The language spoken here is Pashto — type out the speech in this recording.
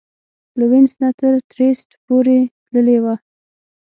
له وینس نه تر ترېسټ پورې تللې وه.